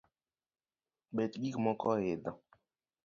Bech gikmoko oidho